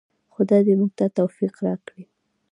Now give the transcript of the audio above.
خدای دې موږ ته توفیق راکړي؟